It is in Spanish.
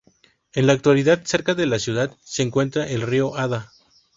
En la actualidad cerca de la ciudad se encuentra el río Adda.